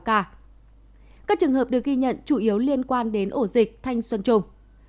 các trường hợp được ghi nhận chủ yếu liên quan đến ổ dịch thanh xuân trung